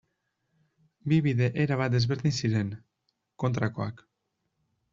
Bi bide erabat desberdin ziren, kontrakoak.